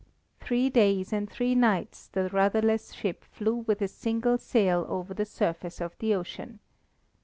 Three days and three nights the rudderless ship flew with a single sail over the surface of the ocean.